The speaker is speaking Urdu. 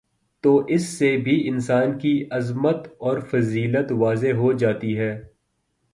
تو اس سے بھی انسان کی عظمت اور فضیلت واضح ہو جاتی ہے